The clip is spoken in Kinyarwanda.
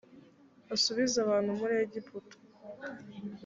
asubize abantu muri egiputa